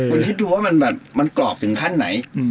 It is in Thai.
คุณคิดดูว่ามันแบบมันกรอบถึงขั้นไหน